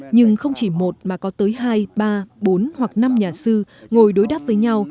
nhưng không chỉ một mà có tới hai ba bốn hoặc năm nhà sư ngồi đối đáp với nhau